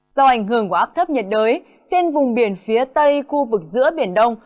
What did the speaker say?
do ảnh hưởng của áp thấp nhiệt đới trên vùng biển phía tây khu vực giữa biển đông